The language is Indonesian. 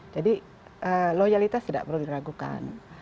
jadi loyalitas tidak perlu diragukan